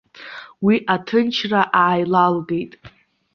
Уи аҭынчра ааилалгеит.